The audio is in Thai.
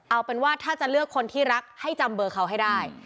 เอาเป็นว่าถ้าจะเลือกคนที่รักให้จำเบอร์เขาให้ได้